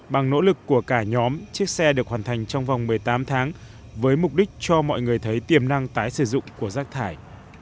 bằng nỗ lực của cả nhóm chiếc xe được hoàn thành trong vòng một mươi tám tháng với mục đích cho mọi người thấy tiềm năng tái sử dụng của rác thải